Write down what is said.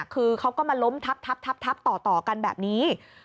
คือเขาก็มาล้มทับต่อกันแบบนี้